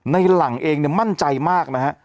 ในหลังเองมั่นใจมากนะฮะ